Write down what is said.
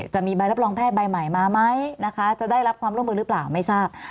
จะมีใบรับรองแพทย์ใบใหม่มาไหมนะคะจะได้รับความร่วมมือหรือเปล่าไม่ทราบ